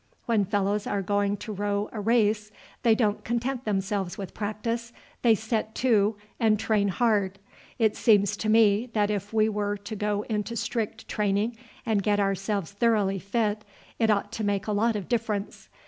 When fellows are going to row a race they don't content themselves with practice, they set to and train hard. It seems to me that if we were to go into strict training and get ourselves thoroughly fit, it ought to make a lot of difference.